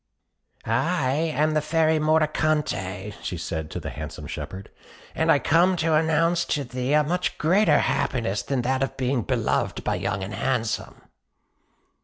"I am the Fairy Mordicante," said she to the handsome shepherd; "and I come to announce to thee a much greater happiness than that of being beloved by Young and Handsome."